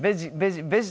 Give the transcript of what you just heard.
ベジ。